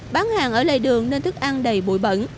bán hàng ở lề đường nên thức ăn đầy bụi bẩn